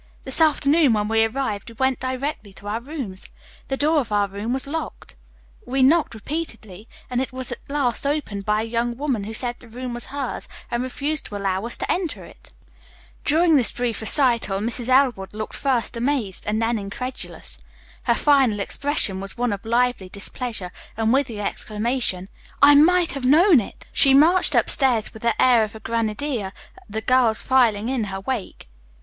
This afternoon, when we arrived, we went directly to our rooms. The door of our room was locked, however. We knocked repeatedly, and it was at last opened by a young woman who said the room was hers and refused to allow us to enter it." During this brief recital Mrs. Elwood looked first amazed, then incredulous. Her final expression was one of lively displeasure, and with the exclamation, "I might have known it!" she marched upstairs with the air of a grenadier, the girls filing in her wake.